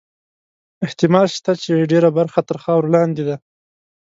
احتمال شته چې ډېره برخه تر خاورو لاندې ده.